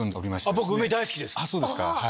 僕梅大好きです。